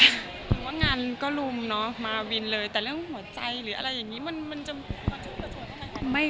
หรือว่างานก็ลุมเนอะมาวินเลยแต่เรื่องหัวใจหรืออะไรอย่างนี้มันจะ